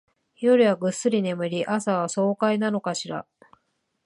夜はぐっすり眠り、朝は爽快なのかしら